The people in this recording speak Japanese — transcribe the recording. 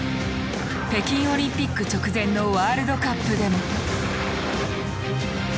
北京オリンピック直前のワールドカップでも。